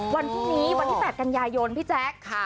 วันพรุ่งนี้วันที่๘กันยายนพี่แจ๊ค